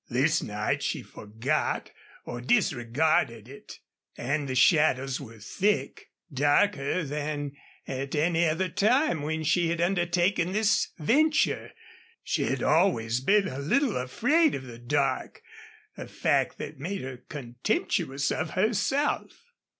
This night she forgot or disregarded it. And the shadows were thick darker than at any other time when she had undertaken this venture. She had always been a little afraid of the dark a fact that made her contemptuous of herself.